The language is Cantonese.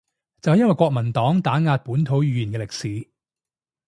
就係因為國民黨打壓本土語言嘅歷史